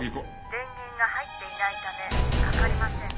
「電源が入っていないためかかりません」